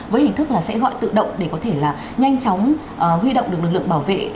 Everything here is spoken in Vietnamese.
với hình thức là sẽ gọi tự động để có thể là nhanh chóng huy động được lực lượng bảo vệ